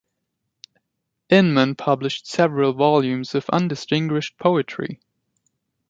Inman published several volumes of undistinguished poetry.